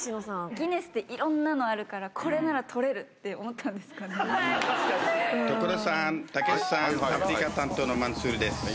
ギネスっていろんなのあるから、これなら取れるって思ったん所さん、たけしさん、アフリカ担当のマンスールです。